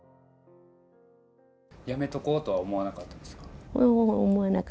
やめとこうとは思わなかったですか？